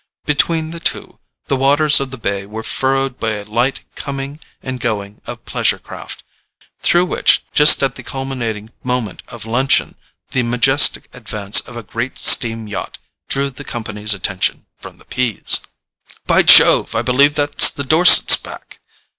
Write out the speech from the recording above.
Between the two, the waters of the bay were furrowed by a light coming and going of pleasure craft, through which, just at the culminating moment of luncheon, the majestic advance of a great steam yacht drew the company's attention from the peas. "By Jove, I believe that's the Dorsets back!"